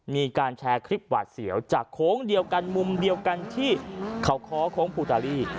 มีการแชร์คลิปหวาดเสียวจากโค้งเดียวกันมุมเดียวกันที่เขาค้อโค้งภูตาลี